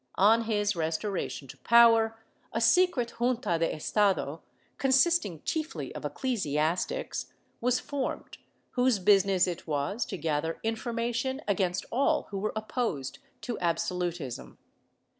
On his restoration to power, a secret Junta de Estado, consisting chiefly of ecclesiastics, was formed, whose business it was to gather information against all who were opposed to absolutism.